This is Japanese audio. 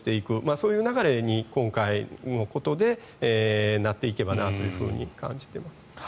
そういう流れに今回のことでなっていけばなと感じています。